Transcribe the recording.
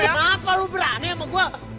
kenapa lo berani sama gue